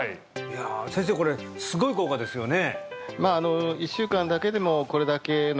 呂先生これすごい効果ですよね